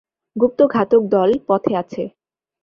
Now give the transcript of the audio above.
গুপ্তঘাতক দল পথে আছে।